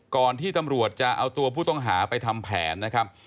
ก่อนที่ตำรวจจะเอาตัวผู้ต้องหาไปทำแผนนะครับ